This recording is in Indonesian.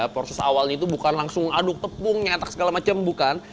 proses awalnya itu bukan langsung mengaduk tepungnya tak segala macam bukan